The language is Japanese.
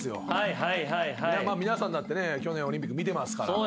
皆さんだってね去年オリンピック見てますから。